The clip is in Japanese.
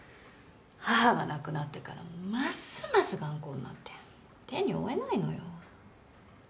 母が亡くなってからますます頑固になって手に負えないのよ。